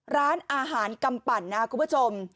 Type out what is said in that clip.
ร้านอาหารกำปั่นนะคุณผู้ชม